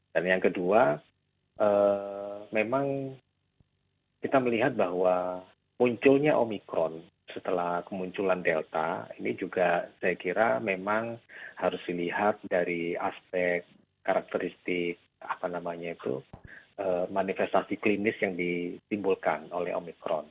dan yang kedua memang kita melihat bahwa munculnya omikron setelah kemunculan delta ini juga saya kira memang harus dilihat dari aspek karakteristik apa namanya itu manifestasi klinis yang ditimbulkan oleh omikron